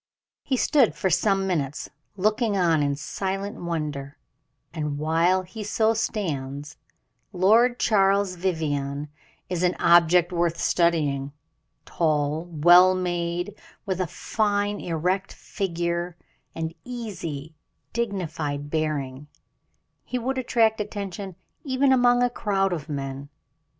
He stood for some minutes looking on in silent wonder; and while he so stands, Lord Charles Vivianne is an object worth studying; tall, well made, with a fine, erect figure, and easy, dignified bearing, he would attract attention even among a crowd of men.